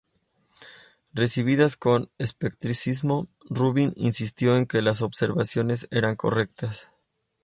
Recibidas con escepticismo, Rubin insistió en que las observaciones eran correctas.